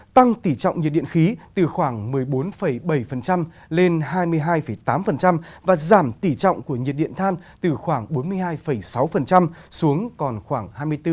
tăng tỷ trọng nhiệt điện khí từ khoảng một mươi bốn bảy lên hai mươi hai tám và giảm tỷ trọng của nhiệt điện than từ khoảng bốn mươi hai sáu xuống còn khoảng hai mươi bốn